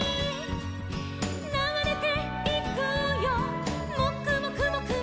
「ながれていくよもくもくもくも」